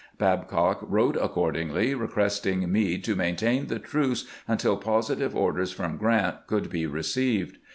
Babcock wrote accordingly, requesting Meade to maintain the truce until positive orders from Grant could be received.